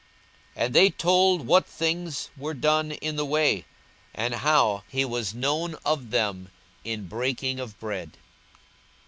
42:024:035 And they told what things were done in the way, and how he was known of them in breaking of bread.